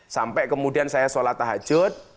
sampai kemudian saya sholat tahajud